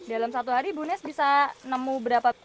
dalam satu hari bu nes bisa nemu berapa